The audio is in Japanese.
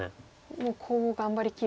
もうコウを頑張りきる。